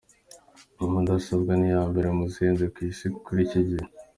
Iyi mudasobwa ni iya mbere mu zihenze ku isi muri iki gihe.